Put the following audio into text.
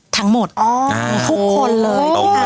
ทั้งหมดทุกคนเลย